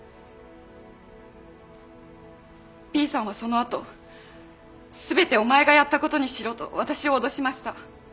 Ｂさんはその後全てお前がやったことにしろと私を脅しました。